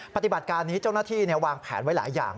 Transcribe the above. ปฏิบัติการนี้เจ้าหน้าที่วางแผนไว้หลายอย่าง